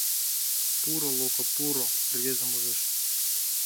Пуро, Лука, пуро, — рвезым ӱжеш.